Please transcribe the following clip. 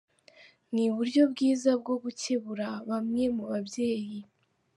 "Ni uburyo bwiza bwo gukebura bamwe mu babyeyi.